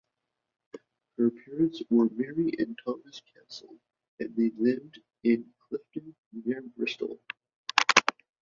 Her parents were Mary and Thomas Castle and they lived in Clifton near Bristol.